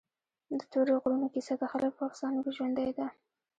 د تورې غرونو کیسه د خلکو په افسانو کې ژوندۍ ده.